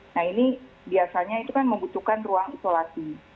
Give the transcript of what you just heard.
nah ini biasanya itu kan membutuhkan ruang isolasi